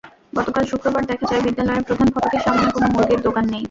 গতকাল শুক্রবার দেখা যায়, বিদ্যালয়ের প্রধান ফটকের সামনে কোনো মুরগির দোকান নেই।